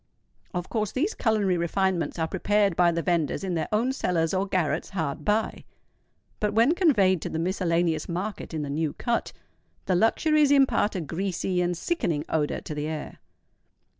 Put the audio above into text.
Of course these culinary refinements are prepared by the venders in their own cellars or garrets hard by; but when conveyed to the miscellaneous market in the New Cut, the luxuries impart a greasy and sickening odour to the air.